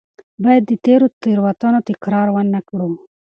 باید د تېرو تېروتنو تکرار ونه کړو.